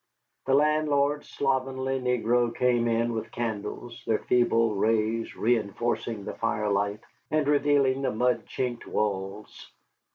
The landlord's slovenly negro came in with candles, their feeble rays reënforcing the firelight and revealing the mud chinked walls.